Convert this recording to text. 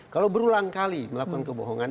kalau berulang kali melakukan kebohongan